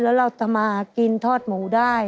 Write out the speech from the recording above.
แล้วเราทำมากินทอดหมูได้